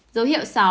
dấu hiệu sáu